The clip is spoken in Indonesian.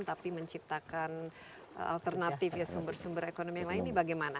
tapi menciptakan alternatif ya sumber sumber ekonomi yang lain ini bagaimana